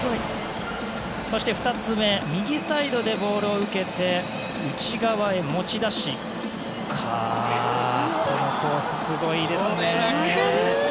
そして２つ目、右サイドでボールを受けて内側に持ち出してこのコース、すごいですね。